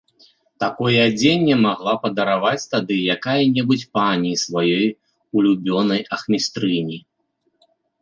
Такое адзенне магла падараваць тады якая-небудзь пані сваёй улюбёнай ахмістрыні.